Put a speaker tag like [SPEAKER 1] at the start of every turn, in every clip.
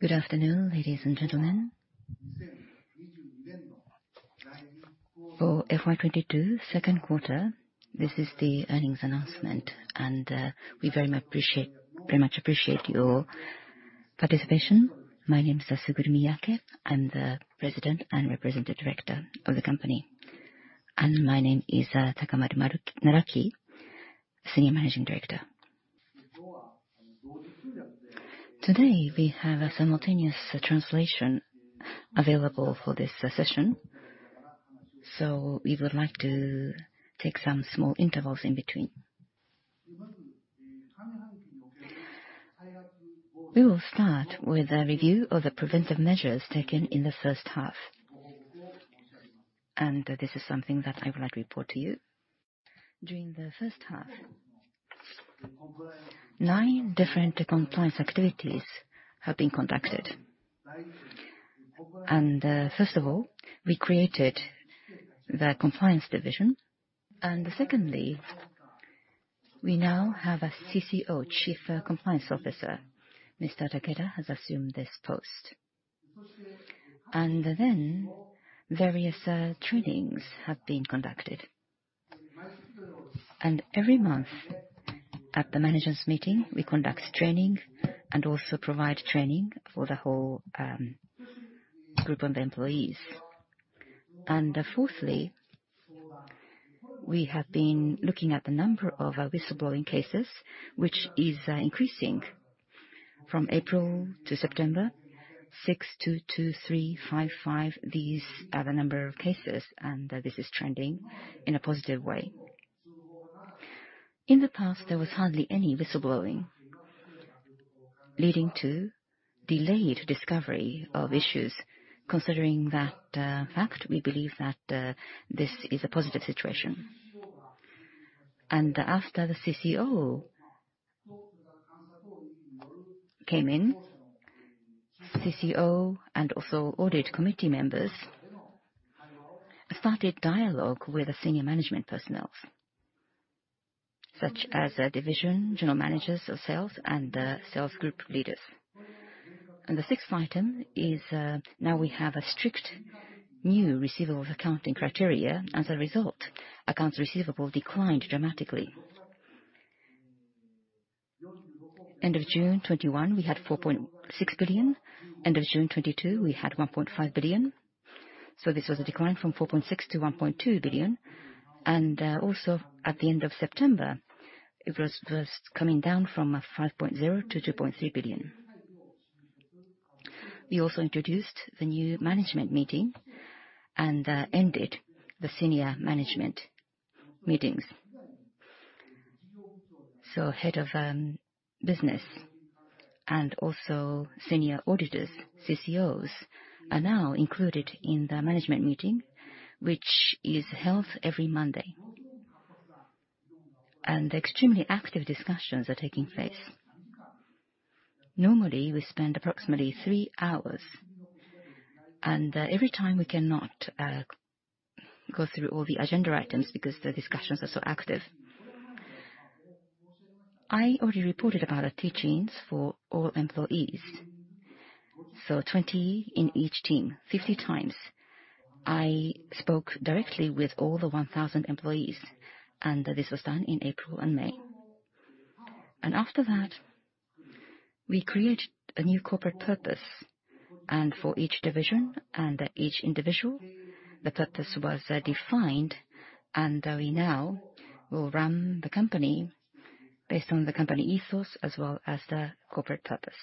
[SPEAKER 1] Good afternoon, ladies and gentlemen. For FY 2022 second quarter, this is the earnings announcement, and we very much appreciate your participation. My name is Suguru Miyake. I'm the President and Representative Director of the company.
[SPEAKER 2] My name is Takamaro Naraki, Senior Managing Director.
[SPEAKER 1] Today, we have a simultaneous translation available for this session, so we would like to take some small intervals in between. We will start with a review of the preventive measures taken in the first half, and this is something that I would like to report to you. During the first half, nine different compliance activities have been conducted. First of all, we created the compliance division. Secondly, we now have a CCO, Chief Compliance Officer. Mr. Takeda has assumed this post. Then various trainings have been conducted. Every month at the managers meeting, we conduct training and also provide training for the whole group of employees. Fourthly, we have been looking at the number of whistleblowing cases, which is increasing from April to September, six, two, two, three, five, five. These are the number of cases, and this is trending in a positive way. In the past, there was hardly any whistleblowing leading to delayed discovery of issues. Considering that fact, we believe that this is a positive situation. After the CCO came in, CCO and also audit committee members started dialogue with the senior management personnel, such as our division general managers of sales and sales group leaders. The sixth item is now we have a strict new receivable accounting criteria. As a result, accounts receivable declined dramatically. End of June 2021, we had 4.6 billion. End of June 2022, we had 1.5 billion. This was a decline from 4.6 billion to 1.2 billion. Also at the end of September, it was coming down from 5.0 billion to 2.3 billion. We also introduced the new management meeting and ended the senior management meetings. Head of Business and also Senior Auditors, CCOs, are now included in the management meeting, which is held every Monday. Extremely active discussions are taking place. Normally, we spend approximately three hours, and every time we cannot go through all the agenda items because the discussions are so active. I already reported about our teachings for all employees. 20 in each team, 50x. I spoke directly with all the 1,000 employees, and this was done in April and May. After that, we created a new corporate purpose. For each division and each individual, the purpose was defined, and we now will run the company based on the company ethos as well as the corporate purpose.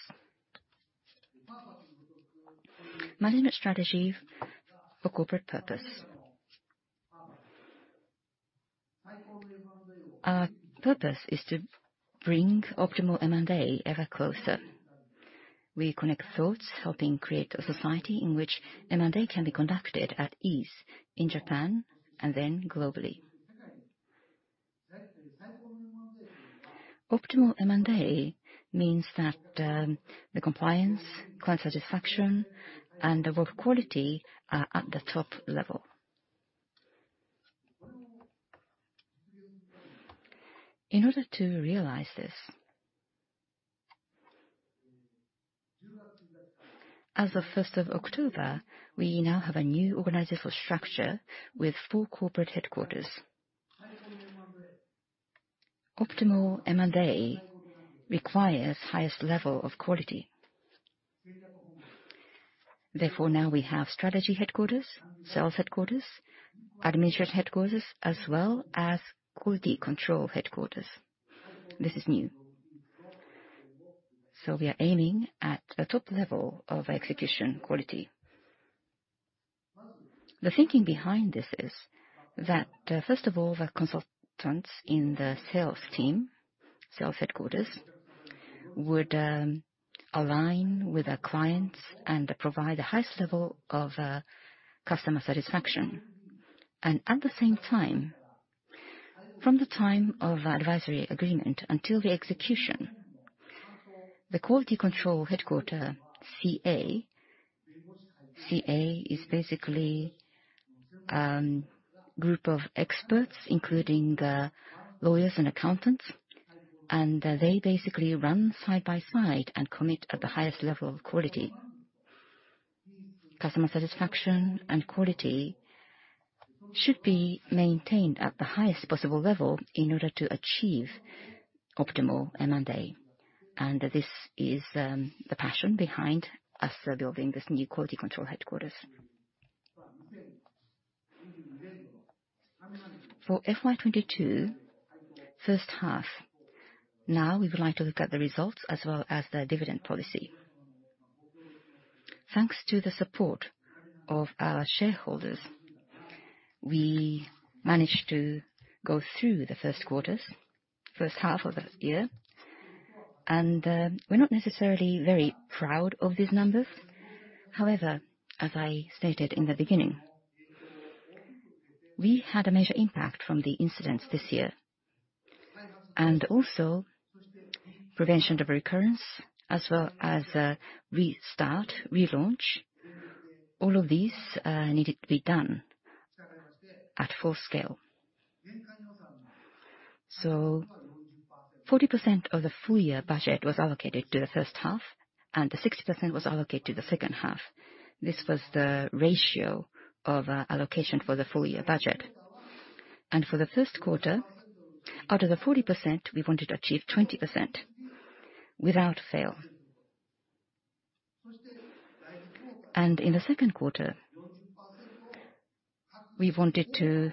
[SPEAKER 1] Management strategy for corporate purpose. Our purpose is to bring optimal M&A ever closer. We connect thoughts helping create a society in which M&A can be conducted at ease in Japan and then globally. Optimal M&A means that the compliance, client satisfaction, and the work quality are at the top level. In order to realize this, as of October 1st, we now have a new organizational structure with four corporate headquarters. Optimal M&A requires highest level of quality. Therefore, now we have strategy headquarters, sales headquarters, administrative headquarters, as well as quality control headquarters. This is new. We are aiming at a top level of execution quality. The thinking behind this is that, first of all, the consultants in the sales team, sales headquarters, would align with our clients and provide the highest level of customer satisfaction. At the same time, from the time of advisory agreement until the execution. The quality control headquarters, CA. CA is basically a group of experts, including the lawyers and accountants, and they basically run side by side and commit at the highest level of quality. Customer satisfaction and quality should be maintained at the highest possible level in order to achieve optimal M&A. This is the passion behind us building this new quality control headquarters. For FY2022 first half, now we would like to look at the results as well as the dividend policy. Thanks to the support of our shareholders, we managed to go through the first quarter, first half of the year, and we're not necessarily very proud of these numbers. However, as I stated in the beginning, we had a major impact from the incidents this year. Also prevention of recurrence as well as restart, relaunch, all of these needed to be done at full scale. 40% of the full year budget was allocated to the first half, and 60% was allocated to the second half. This was the ratio of allocation for the full year budget. For the first quarter, out of the 40%, we wanted to achieve 20% without fail. In the second quarter, we wanted to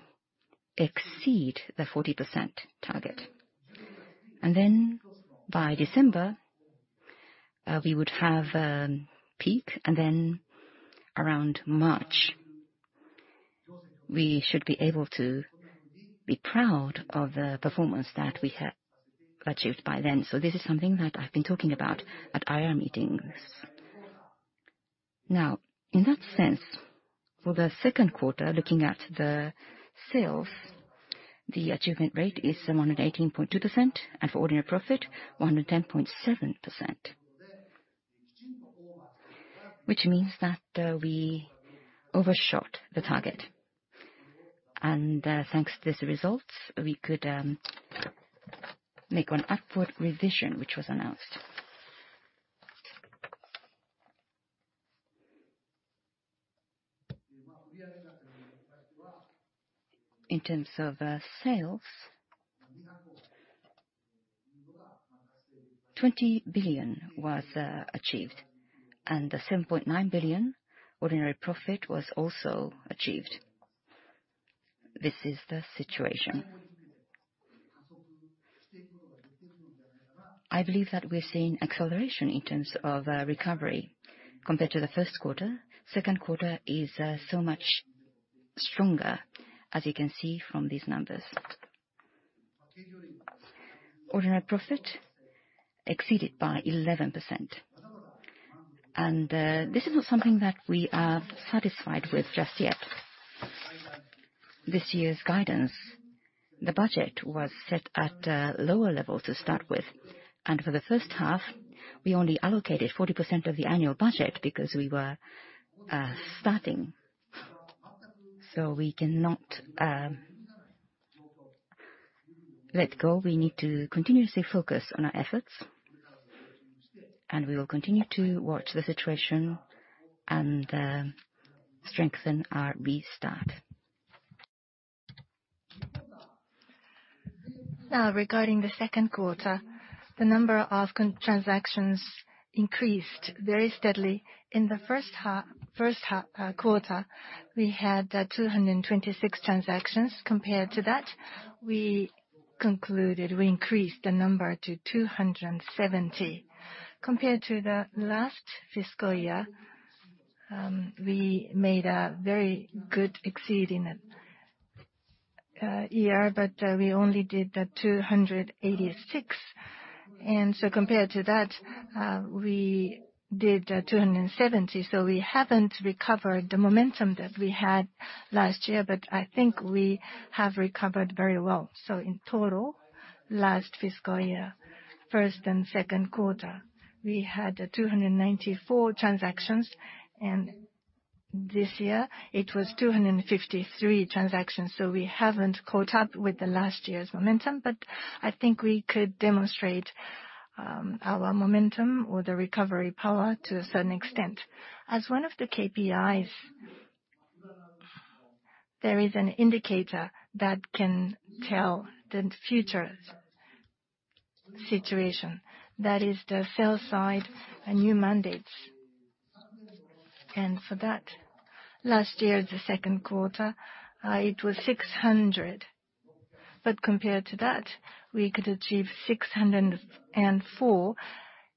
[SPEAKER 1] exceed the 40% target. By December, we would have a peak, and then around March, we should be able to be proud of the performance that we have achieved by then. This is something that I've been talking about at IR meetings. Now, in that sense, for the second quarter, looking at the sales, the achievement rate is 118.2% and for ordinary profit 110.7%. Which means that we overshot the target. Thanks to these results, we could make an upward revision, which was announced. In terms of sales, 20 billion was achieved, and 7.9 billion ordinary profit was also achieved. This is the situation. I believe that we're seeing acceleration in terms of recovery compared to the first quarter. Second quarter is so much stronger, as you can see from these numbers. Ordinary profit exceeded by 11%, and this is not something that we are satisfied with just yet. This year's guidance, the budget was set at a lower level to start with. For the first half, we only allocated 40% of the annual budget because we were starting. We cannot let go. We need to continuously focus on our efforts, and we will continue to watch the situation and strengthen our restart.
[SPEAKER 2] Now, regarding the second quarter, the number of concluded transactions increased very steadily. In the first quarter, we had 226 transactions. Compared to that, we increased the number to 270. Compared to the last fiscal year, we exceeded it this year, but we only did 286. Compared to that, we did 270, so we haven't recovered the momentum that we had last year, but I think we have recovered very well. In total, last fiscal year first and second quarter, we had 294 transactions, and this year it was 253 transactions. We haven't caught up with the last year's momentum, but I think we could demonstrate our momentum or the recovery power to a certain extent. As one of the KPIs, there is an indicator that can tell the future situation. That is the sell side and new mandates. For that, last year, the second quarter, it was 600. Compared to that, we could achieve 604.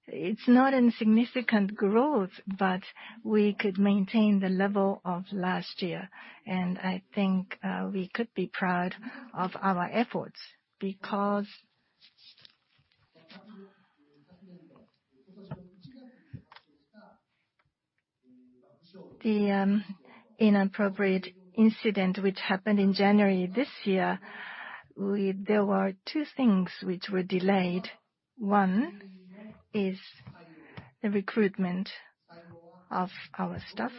[SPEAKER 2] It's not a significant growth, but we could maintain the level of last year. I think we could be proud of our efforts because the inappropriate incident which happened in January this year, there were two things which were delayed. One is the recruitment of our staff.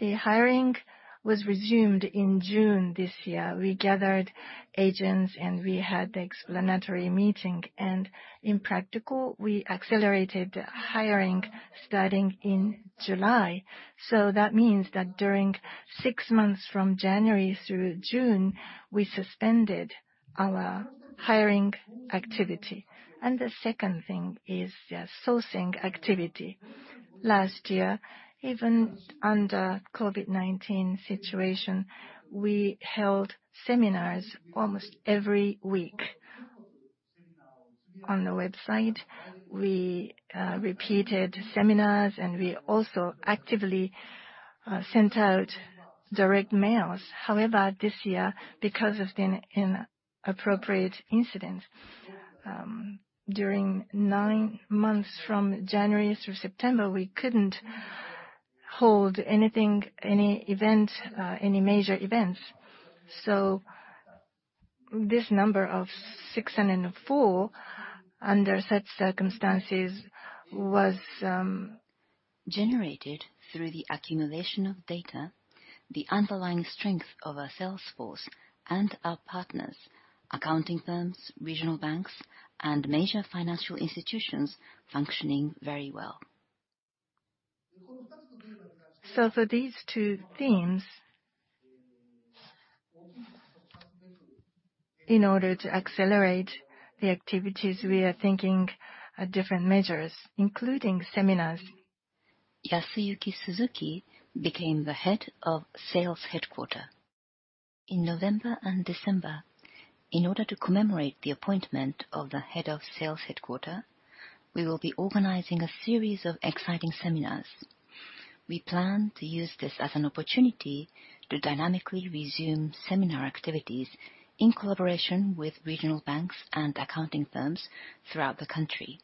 [SPEAKER 2] The hiring was resumed in June this year. We gathered agents, and we had the explanatory meeting, and in practice, we accelerated hiring starting in July. That means that during six months from January through June, we suspended our hiring activity. The second thing is the sourcing activity. Last year, even under COVID-19 situation, we held seminars almost every week. On the website, we repeated seminars, and we also actively sent out direct mails. However, this year, because of the inappropriate incident, during nine months from January through September, we couldn't hold anything, any event, any major events. This number of 604 under such circumstances was.
[SPEAKER 1] Generated through the accumulation of data, the underlying strength of our sales force and our partners, accounting firms, regional banks, and major financial institutions functioning very well.
[SPEAKER 2] For these two themes, in order to accelerate the activities, we are thinking of different measures, including seminars.
[SPEAKER 1] Yasuyuki Suzuki became the Head of Sales Headquarters. In November and December, in order to commemorate the appointment of the Head of Sales Headquarters, we will be organizing a series of exciting seminars. We plan to use this as an opportunity to dynamically resume seminar activities in collaboration with regional banks and accounting firms throughout the country.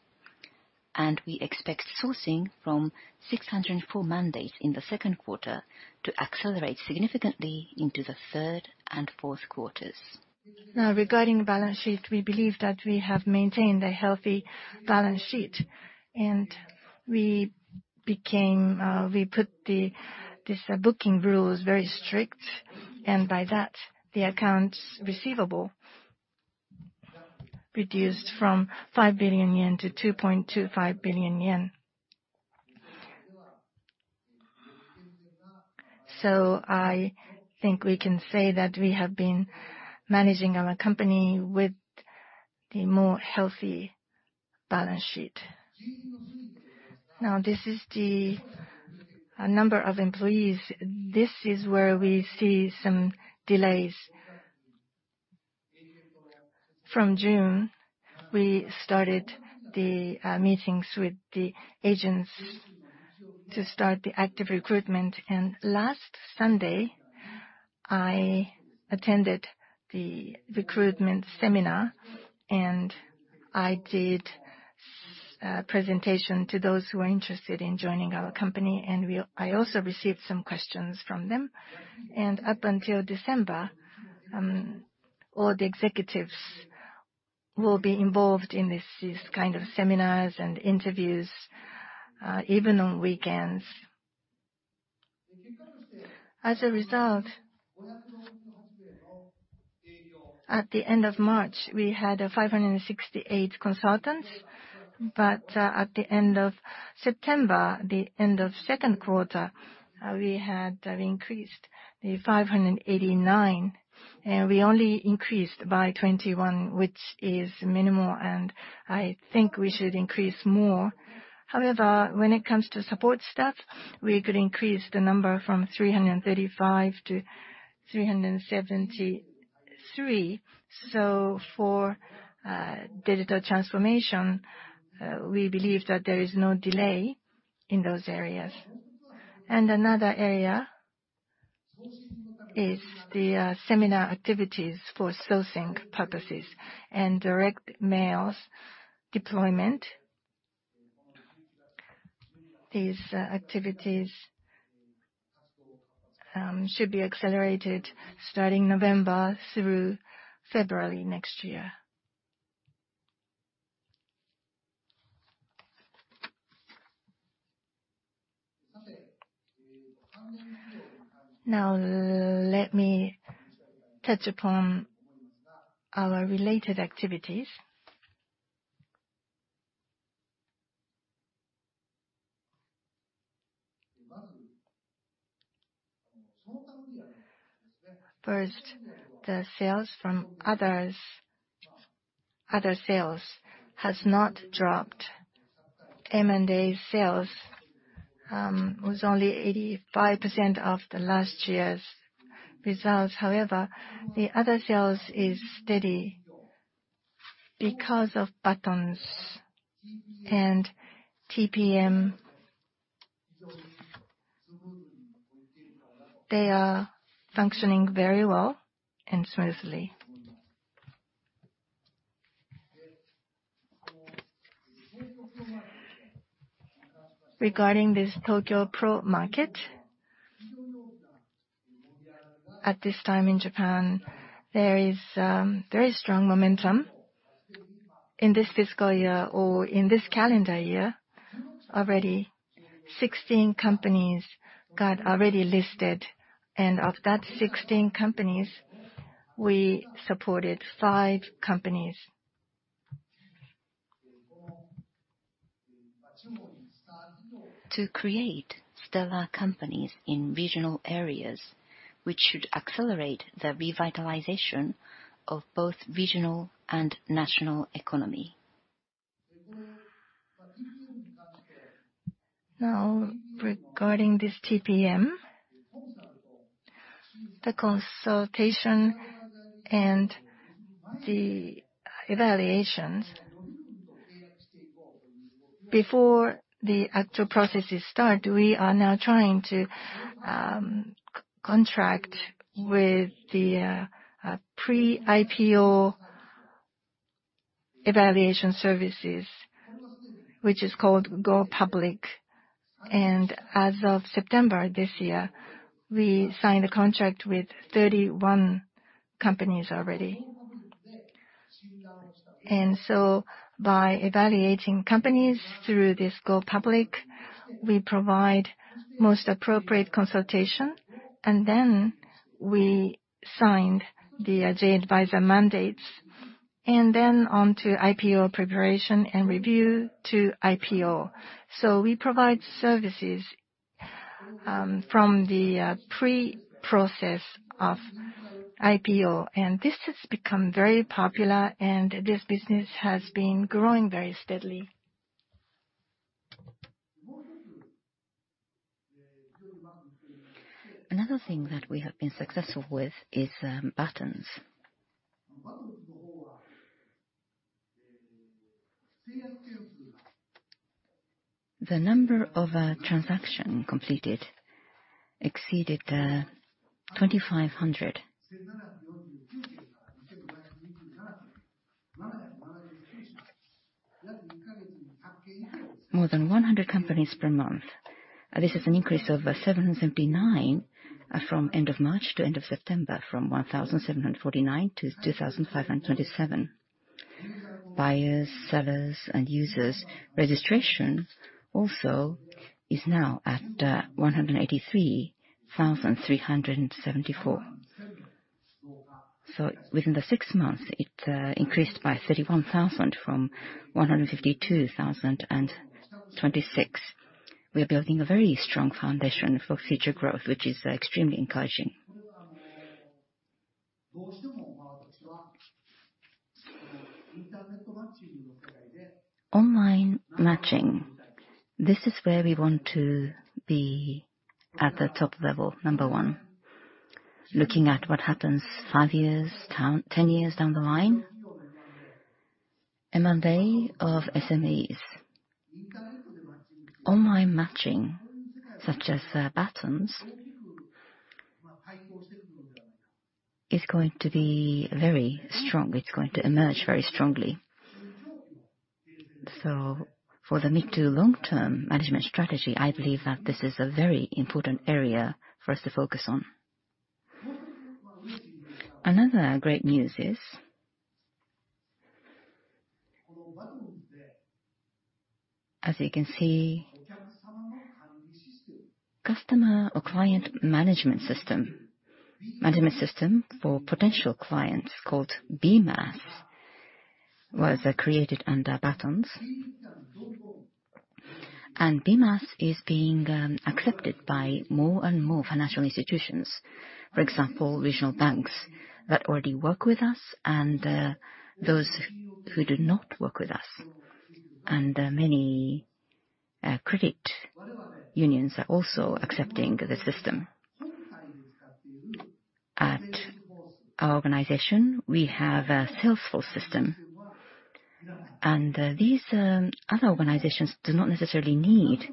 [SPEAKER 1] We expect sourcing from 604 mandates in the second quarter to accelerate significantly into the third and fourth quarters.
[SPEAKER 2] Now, regarding the balance sheet, we believe that we have maintained a healthy balance sheet. We put the booking rules very strict, and by that, the accounts receivable reduced from 5 billion yen to 2.25 billion yen. I think we can say that we have been managing our company with a more healthy balance sheet. Now, this is the number of employees. This is where we see some delays. From June, we started the meetings with the agents to start the active recruitment. Last Sunday, I attended the recruitment seminar, and I did a presentation to those who are interested in joining our company, and I also received some questions from them. Up until December, all the executives will be involved in this kind of seminars and interviews, even on weekends. As a result, at the end of March, we had 568 consultants, but at the end of September, the end of second quarter, we had increased to 589. We only increased by 21, which is minimal, and I think we should increase more. However, when it comes to support staff, we could increase the number from 335 to 373. For digital transformation, we believe that there is no delay in those areas. Another area is the seminar activities for sourcing purposes and direct mails deployment. These activities should be accelerated starting November through February next year. Now let me touch upon our related activities. First, the sales from others, other sales has not dropped. M&A sales was only 85% of the last year's results. However, the other sales is steady because of Batonz and TPM. They are functioning very well and smoothly. Regarding this Tokyo PRO Market, at this time in Japan, there is very strong momentum. In this fiscal year or in this calendar year, 16 companies got listed already, and of that 16 companies, we supported five companies.
[SPEAKER 1] To create stellar companies in regional areas, which should accelerate the revitalization of both regional and national economy.
[SPEAKER 2] Now, regarding this TPM, the consultation and the evaluations. Before the actual processes start, we are now trying to contract with the pre-IPO evaluation services, which is called Go Public. As of September this year, we signed a contract with 31 companies already. By evaluating companies through this Go Public, we provide most appropriate consultation, and then we signed the J-Adviser mandates, and then on to IPO preparation and review to IPO. We provide services from the pre-process of IPO, and this has become very popular, and this business has been growing very steadily.
[SPEAKER 1] Another thing that we have been successful with is Batonz. The number of transaction completed exceeded 2,500. More than 100 companies per month. This is an increase of 779 from end of March to end of September, from 1,749 to 2,527. Buyers, sellers and users registration also is now at 183,374. Within the six months, it increased by 31,000 from 152,026. We are building a very strong foundation for future growth, which is extremely encouraging. Online matching, this is where we want to be at the top level, number one. Looking at what happens five years down, 10 years down the line, M&A of SMEs. Online matching, such as Batonz, is going to be very strong. It's going to emerge very strongly. For the mid- to long-term management strategy, I believe that this is a very important area for us to focus on. Another great news is, as you can see, customer or client management system, management system for potential clients called BMAS was created under Batonz. BMAS is being accepted by more and more financial institutions. For example, regional banks that already work with us and those who do not work with us. Many credit unions are also accepting the system. At our organization, we have a Salesforce system, and these other organizations do not necessarily need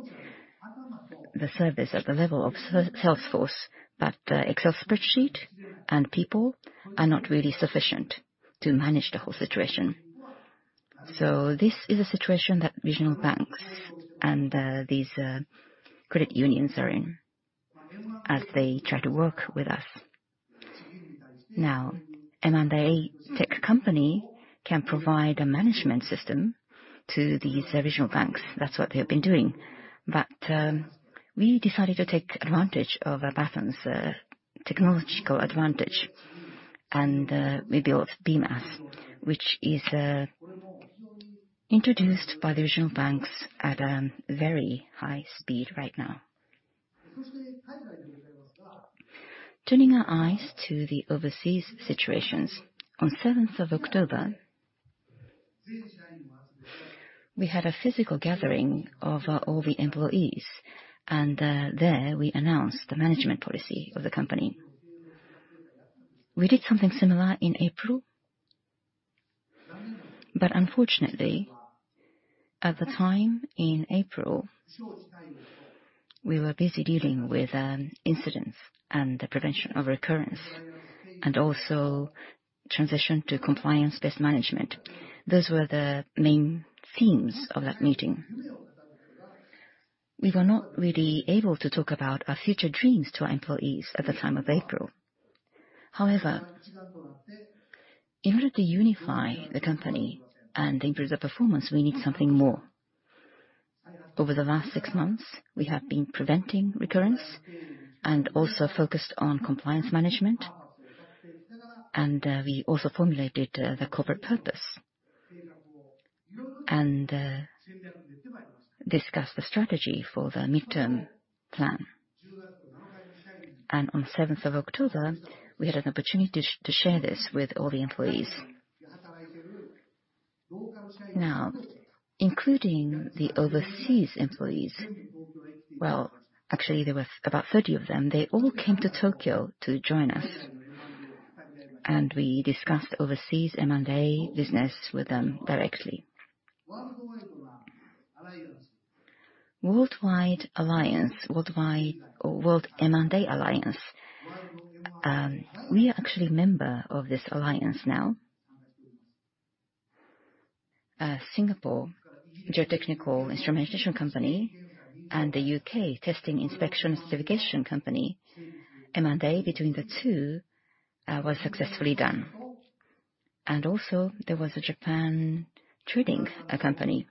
[SPEAKER 1] the service at the level of Salesforce, but Excel spreadsheet and people are not really sufficient to manage the whole situation. This is a situation that regional banks and these credit unions are in as they try to work with us. Now, M&A tech company can provide a management system to these regional banks. That's what they have been doing. We decided to take advantage of Batonz technological advantage, and we built BMAS, which is introduced by the regional banks at a very high speed right now. Turning our eyes to the overseas situations. On seventh of October, we had a physical gathering of all the employees, and there we announced the management policy of the company. We did something similar in April, but unfortunately. At the time in April, we were busy dealing with incidents and the prevention of recurrence, and also transition to compliance-based management. Those were the main themes of that meeting. We were not really able to talk about our future dreams to our employees at the time of April. However, in order to unify the company and improve the performance, we need something more. Over the last six months, we have been preventing recurrence and also focused on compliance management, and we also formulated the corporate purpose, and discussed the strategy for the midterm plan. On October 7th, we had an opportunity to share this with all the employees. Now, including the overseas employees, well, actually, there was about 30 of them. They all came to Tokyo to join us, and we discussed overseas M&A business with them directly. World M&A Alliance, we are actually member of this alliance now. Singapore Geotechnical Instrumentation company and the UK Testing Inspection Certification company M&A between the two was successfully done. There was a Japan trading company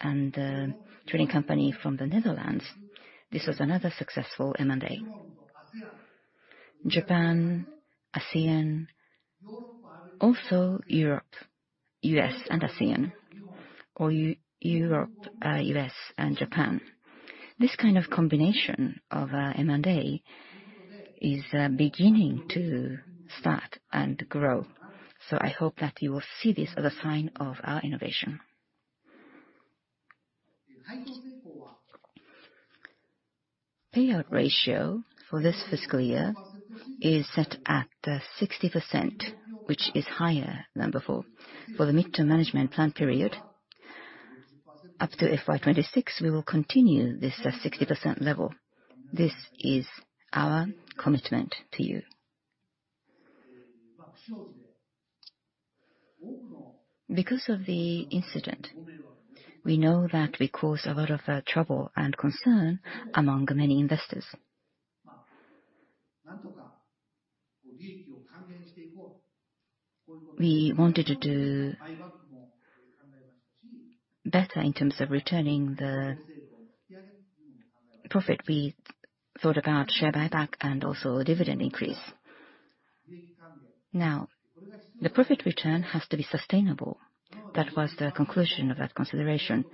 [SPEAKER 1] and trading company from the Netherlands. This was another successful M&A. Japan, ASEAN, also Europe, U.S., and ASEAN, or Europe, U.S., and Japan. This kind of combination of M&A is beginning to start and grow. I hope that you will see this as a sign of our innovation. Payout ratio for this fiscal year is set at 60%, which is higher than before. For the midterm management plan period, up to FY 2026, we will continue this at 60% level. This is our commitment to you. Because of the incident, we know that we caused a lot of trouble and concern among many investors. We wanted to do better in terms of returning the profit. We thought about share buyback and also a dividend increase. Now, the profit return has to be sustainable. That was the conclusion of that consideration.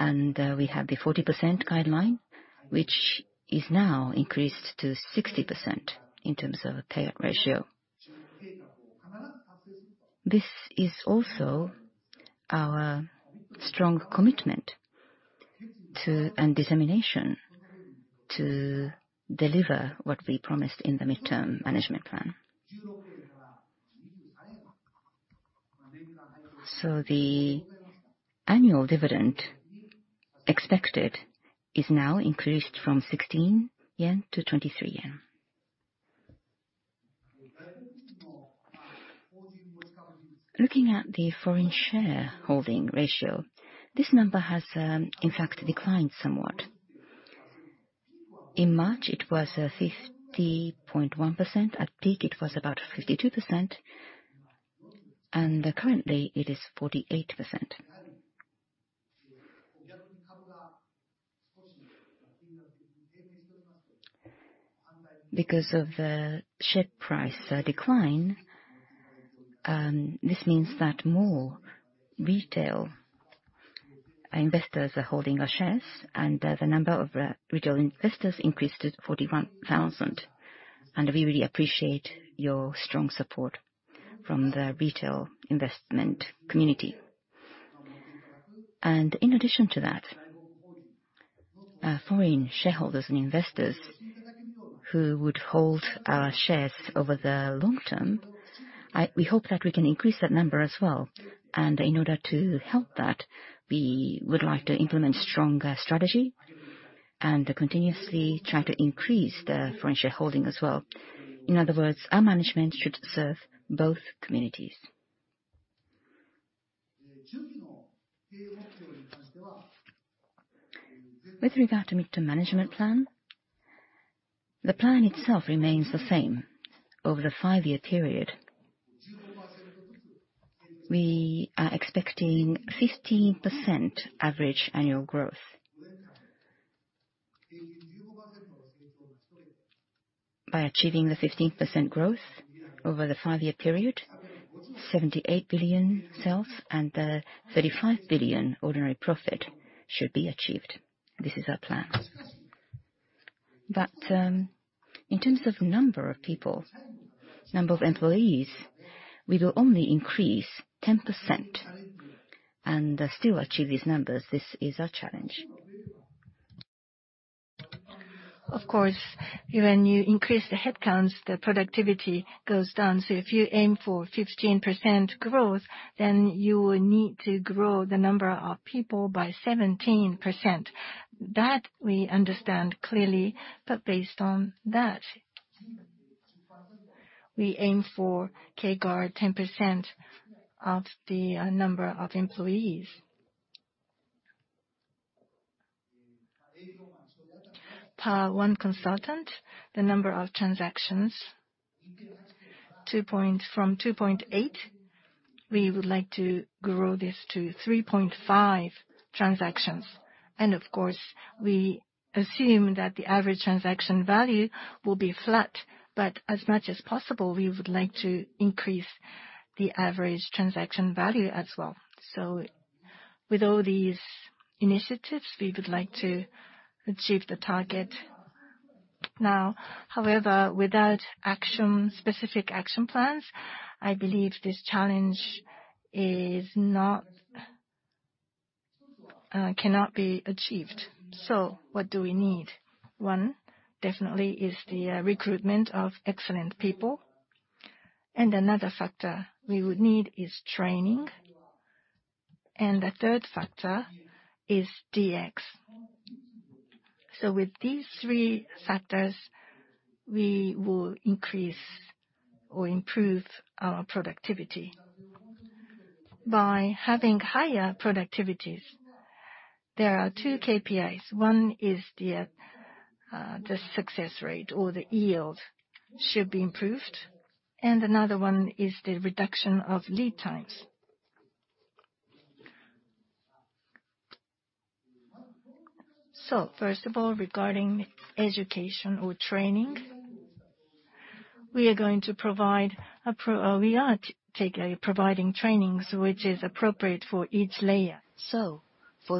[SPEAKER 1] We have the 40% guideline, which is now increased to 60% in terms of payout ratio. This is also our strong commitment to and determination to deliver what we promised in the midterm management plan. The annual dividend expected is now increased from 16 yen to 23 yen. Looking at the foreign shareholding ratio, this number has, in fact, declined somewhat. In March, it was 50.1%. At peak, it was about 52%, and currently it is 48%. Because of the share price decline, this means that more retail investors are holding our shares, and the number of retail investors increased to 41,000. We really appreciate your strong support from the retail investment community. In addition to that, foreign shareholders and investors who would hold our shares over the long term, we hope that we can increase that number as well. In order to help that, we would like to implement stronger strategy and continuously try to increase the foreign shareholding as well. In other words, our management should serve both communities. With regard to midterm management plan, the plan itself remains the same over the five-year period. We are expecting 15% average annual growth. By achieving the 15% growth over the five-year period, 78 billion sales and 35 billion ordinary profit should be achieved. This is our plan. In terms of number of people, number of employees, we will only increase 10% and still achieve these numbers. This is our challenge.
[SPEAKER 2] Of course, when you increase the headcounts, the productivity goes down. If you aim for 15% growth, then you will need to grow the number of people by 17%. That we understand clearly, but based on that, we aim to keep under 10% of the number of employees. Per one consultant, the number of transactions from 2.8, we would like to grow this to 3.5 transactions. Of course, we assume that the average transaction value will be flat, but as much as possible, we would like to increase the average transaction value as well. With all these initiatives, we would like to achieve the target. Now, however, without action, specific action plans, I believe this challenge cannot be achieved. What do we need? One, definitely is the recruitment of excellent people. Another factor we would need is training. The third factor is DX. With these three factors, we will increase or improve our productivity. By having higher productivities, there are two KPIs. One is the success rate or the yield should be improved, and another one is the reduction of lead times. First of all, regarding education or training, we are providing trainings which is appropriate for each layer.
[SPEAKER 1] For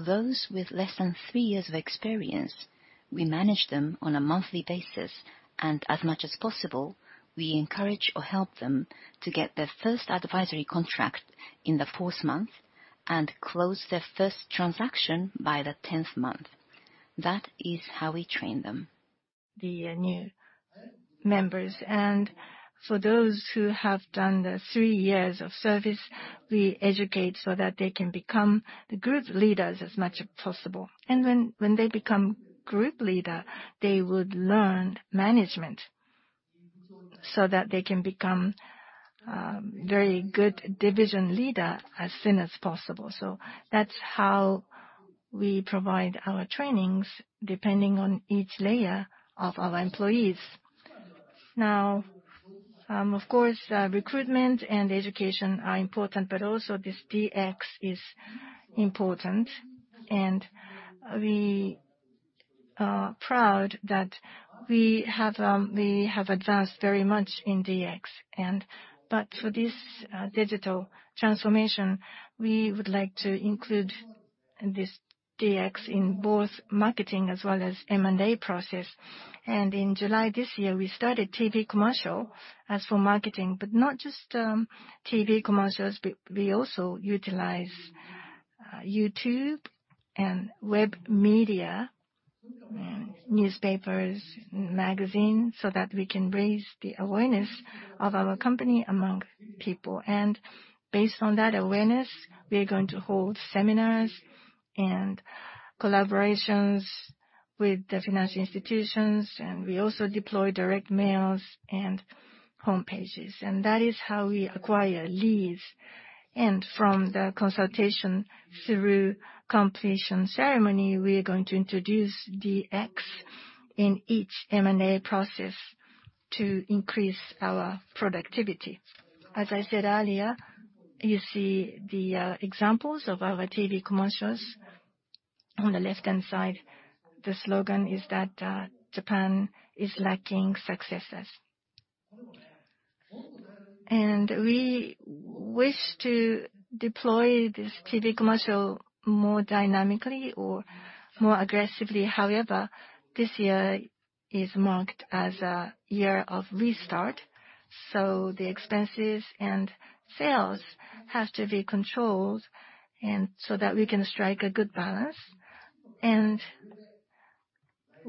[SPEAKER 1] those with less than three years of experience, we manage them on a monthly basis, and as much as possible, we encourage or help them to get their first advisory contract in the fourth month and close their first transaction by the 10th month. That is how we train them.
[SPEAKER 2] The new members and for those who have done the three years of service, we educate so that they can become the group leaders as much as possible. When they become group leader, they would learn management so that they can become very good division leader as soon as possible. That's how we provide our trainings depending on each layer of our employees. Now, of course, recruitment and education are important, but also this DX is important, and we are proud that we have advanced very much in DX. For this digital transformation, we would like to include this DX in both marketing as well as M&A process. In July this year, we started TV ads for marketing, but not just TV commercials, we also utilize YouTube and web media, newspapers, magazines, so that we can raise the awareness of our company among people. Based on that awareness, we're going to hold seminars and collaborations with the financial institutions, and we also deploy direct mails and homepages. That is how we acquire leads. From the consultation through completion ceremony, we are going to introduce DX in each M&A process to increase our productivity. As I said earlier, you see the examples of our TV commercials on the left-hand side. The slogan is that Japan is lacking successors. We wish to deploy this TV commercial more dynamically or more aggressively. However, this year is marked as a year of restart, so the expenses and sales has to be controlled and so that we can strike a good balance.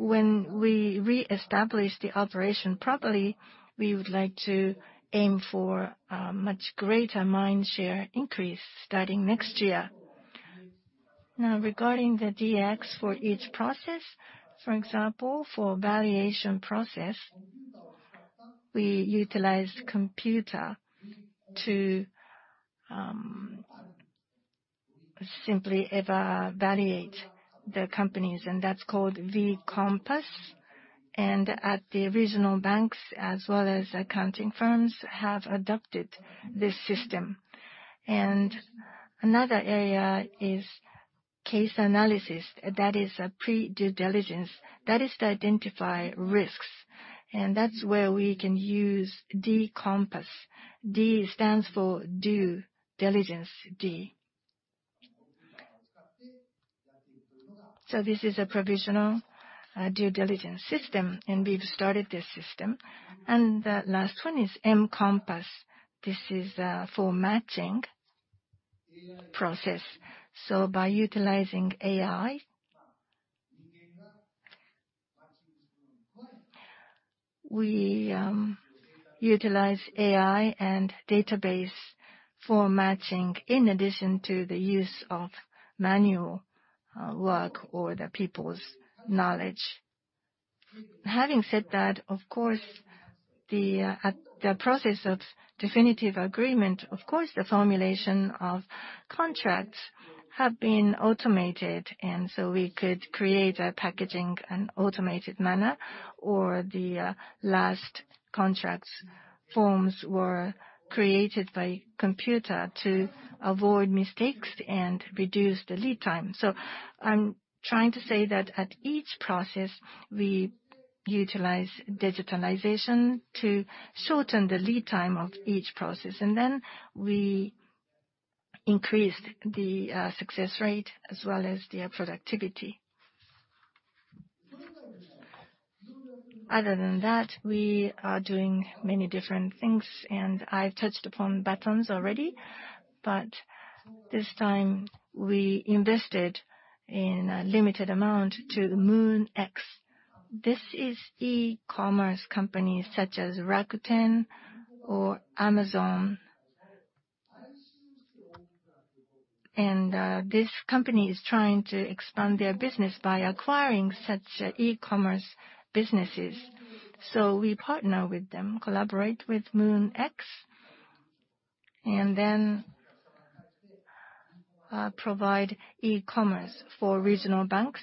[SPEAKER 2] When we reestablish the operation properly, we would like to aim for a much greater mind share increase starting next year. Now, regarding the DX for each process, for example, for valuation process, we utilize computer to simply valuate the companies, and that's called V-Compass. At the regional banks as well as accounting firms have adopted this system. Another area is case analysis. That is a pre-due diligence. That is to identify risks, and that's where we can use D-Compass. D stands for due diligence, D. This is a provisional due diligence system, and we've started this system. The last one is M-Compass. This is for matching process. By utilizing AI, we utilize AI and database for matching in addition to the use of manual work or the people's knowledge. Having said that, of course, at the process of definitive agreement, of course the formulation of contracts have been automated, and so we could create a packaging in automated manner, or the last contracts forms were created by computer to avoid mistakes and reduce the lead time. I'm trying to say that at each process, we utilize digitalization to shorten the lead time of each process. We increased the success rate as well as the productivity. Other than that, we are doing many different things, and I've touched upon Batonz already. This time we invested a limited amount in MOON-X. This is e-commerce companies such as Rakuten or Amazon. This company is trying to expand their business by acquiring such e-commerce businesses. We partner with them, collaborate with MOON-X, and then provide e-commerce for regional banks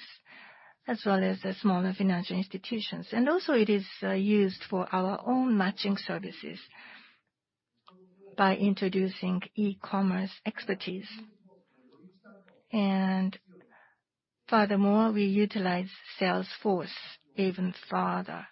[SPEAKER 2] as well as the smaller financial institutions. It is used for our own matching services by introducing e-commerce expertise. We utilize Salesforce even farther.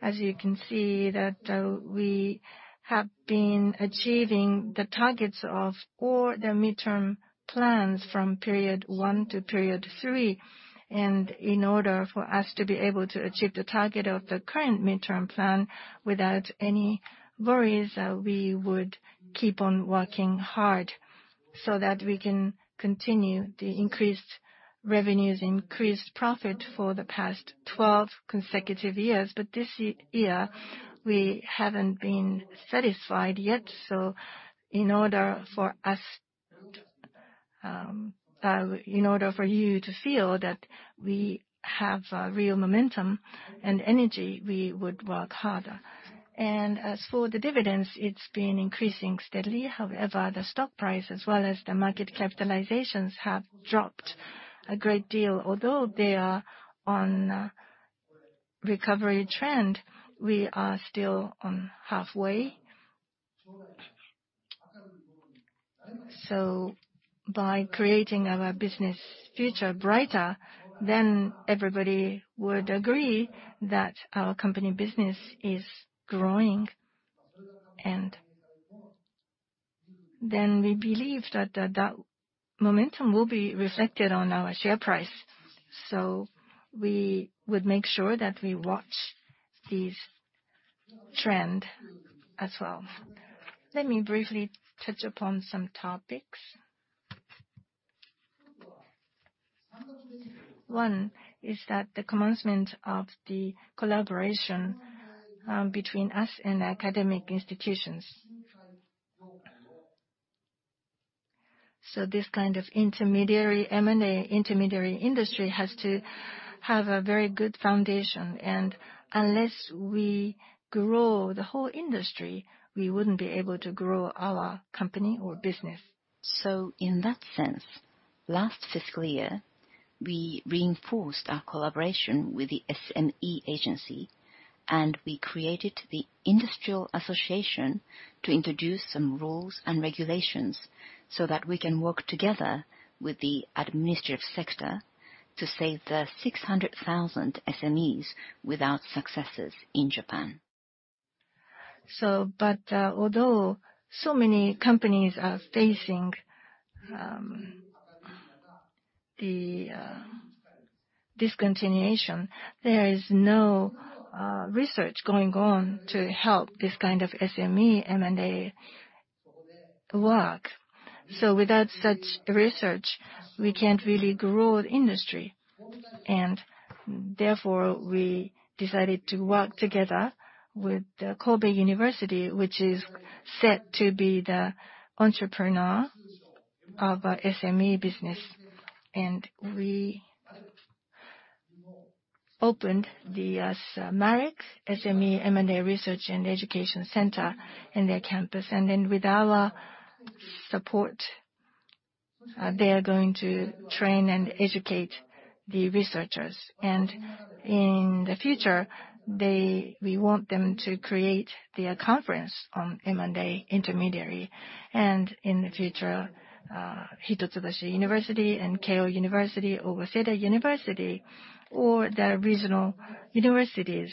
[SPEAKER 2] As you can see that we have been achieving the targets of all the midterm plans from period one to period three. In order for us to be able to achieve the target of the current midterm plan without any worries, we would keep on working hard so that we can continue the increased revenues, increased profit for the past 12 consecutive years. This year, we haven't been satisfied yet, so in order for you to feel that we have real momentum and energy, we would work harder. As for the dividends, it's been increasing steadily. However, the stock price as well as the market capitalization have dropped a great deal. Although they are on a recovery trend, we are still only halfway. By creating our business future brighter, everybody would agree that our company business is growing. We believe that momentum will be reflected on our share price. We would make sure that we watch this trend as well. Let me briefly touch upon some topics. One is that the commencement of the collaboration between us and academic institutions. This kind of intermediary, M&A intermediary industry has to have a very good foundation, and unless we grow the whole industry, we wouldn't be able to grow our company or business.
[SPEAKER 1] In that sense, last fiscal year, we reinforced our collaboration with the SME Agency, and we created the industrial association to introduce some rules and regulations so that we can work together with the administrative sector to save the 600,000 SMEs without successors in Japan.
[SPEAKER 2] Although so many companies are facing the discontinuation, there is no research going on to help this kind of SME M&A work. Without such research, we can't really grow the industry. Therefore, we decided to work together with Kobe University, which is said to be the cradle of SME business. We opened the MAREC, SME M&A Research and Education Center in their campus. With our support, they are going to train and educate the researchers. In the future, we want them to create their conference on M&A intermediary. In the future, Hitotsubashi University and Keio University or Waseda University or the regional universities,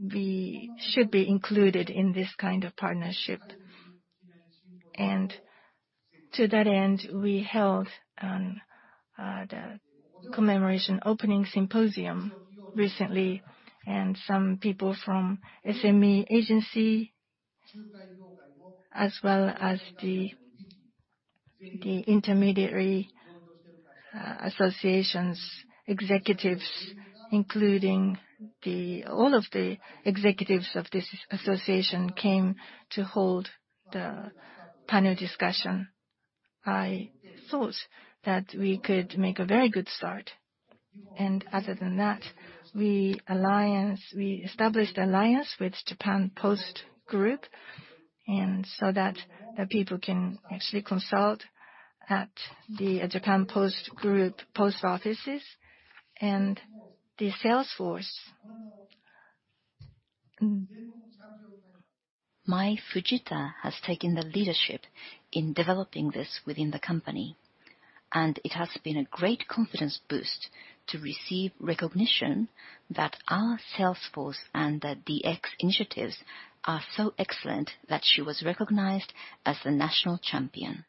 [SPEAKER 2] we should be included in this kind of partnership. To that end, we held the commemoration opening symposium recently, and some people from SME Agency as well as the intermediary associations executives, all of the executives of this association came to hold the panel discussion. I thought that we could make a very good start. Other than that, we established alliance with Japan Post Holdings so that the people can actually consult at the Japan Post Holdings post offices. The sales force.
[SPEAKER 1] Mai Fujita has taken the leadership in developing this within the company. It has been a great confidence boost to receive recognition that our sales force and the DX initiatives are so excellent that she was recognized as the national champion.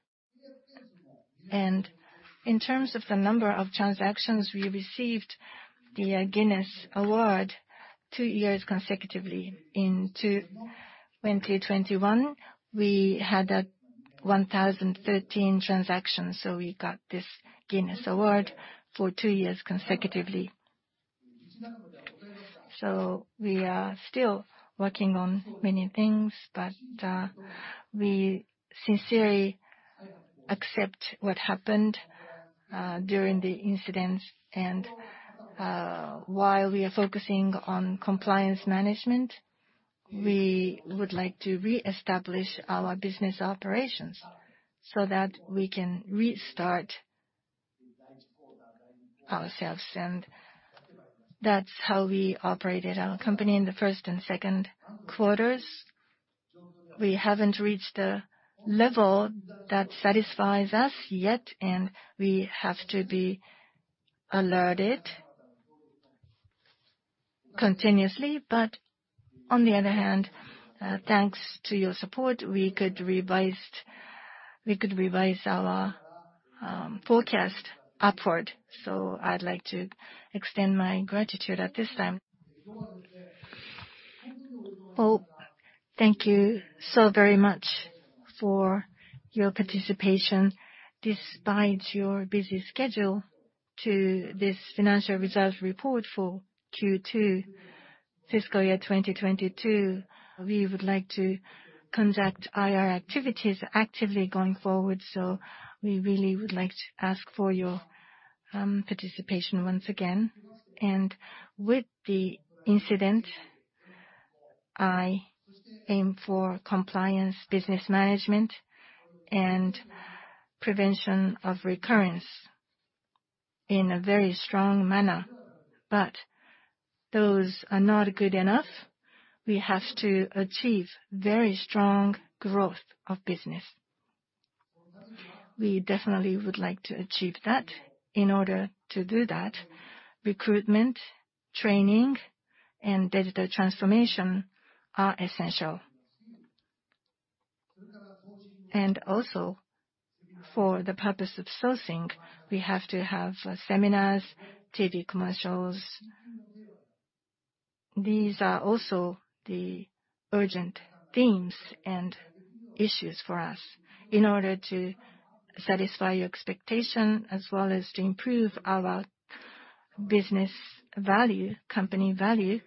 [SPEAKER 2] In terms of the number of transactions, we received the Guinness World Records award two years consecutively. In 2021, we had 1,013 transactions, so we got this Guinness World Records award for two years consecutively. We are still working on many things, but we sincerely accept what happened during the incident. While we are focusing on compliance management, we would like to reestablish our business operations so that we can restart ourselves. That's how we operated our company in the first and second quarters. We haven't reached a level that satisfies us yet, and we have to be alerted continuously. On the other hand, thanks to your support, we could revise our forecast upward. I'd like to extend my gratitude at this time. Well, thank you so very much for your participation, despite your busy schedule to this financial results report for Q2 fiscal year 2022. We would like to conduct IR activities actively going forward, so we really would like to ask for your participation once again. With the incident, I aim for compliance, business management, and prevention of recurrence in a very strong manner. Those are not good enough. We have to achieve very strong growth of business. We definitely would like to achieve that. In order to do that, recruitment, training, and digital transformation are essential. For the purpose of sourcing, we have to have seminars, TV commercials. These are also the urgent themes and issues for us. In order to satisfy your expectation as well as to improve our business value, company value,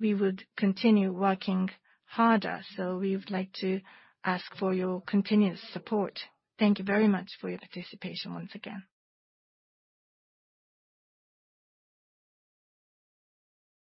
[SPEAKER 2] we would continue working harder. We would like to ask for your continuous support. Thank you very much for your participation once again.